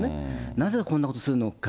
なぜこんなことをするのか。